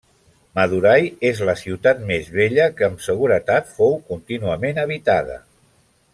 Madurai és la ciutat més vella que amb seguretat fou contínuament habitada.